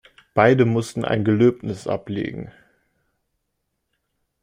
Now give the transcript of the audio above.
Beide mussten ein Gelöbnis ablegen.